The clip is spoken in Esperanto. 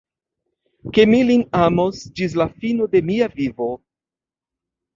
Ke mi lin amos ĝis la fino de mia vivo.